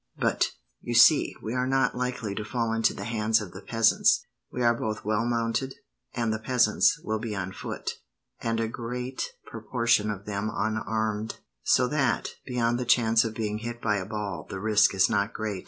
But, you see, we are not likely to fall into the hands of the peasants. We are both well mounted, and the peasants will be on foot, and a great proportion of them unarmed; so that, beyond the chance of being hit by a ball, the risk is not great."